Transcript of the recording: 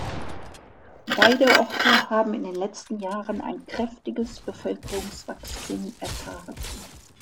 Beide Orte haben in den letzten Jahren ein kräftiges Bevölkerungswachstum erfahren.